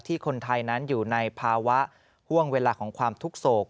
คนไทยนั้นอยู่ในภาวะห่วงเวลาของความทุกข์โศก